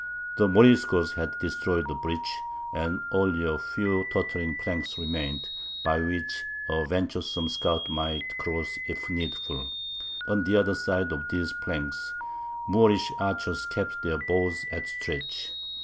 The Moriscos had destroyed the bridge, and only a few tottering planks remained, by which a venturesome scout might cross if needful. On the other side of these planks Moorish archers kept their bows at stretch.